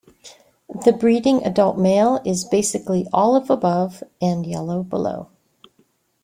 The breeding adult male is basically olive above and yellow below.